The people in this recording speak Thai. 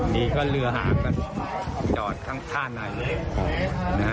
นี่ก็เรือหาก็จอดทั้งท่านในนะฮะ